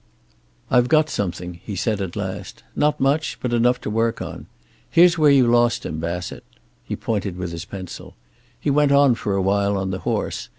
"I've got something," he said at last. "Not much, but enough to work on. Here's where you lost him, Bassett." He pointed with his pencil. "He went on for a while on the horse.